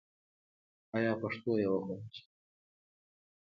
آیا پښتو یوه خوږه ژبه نه ده؟